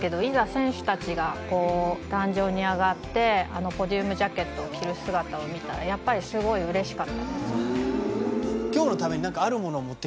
選手たちが壇上に上がってあのポディウムジャケットを着る姿を見たらやっぱり。ということで。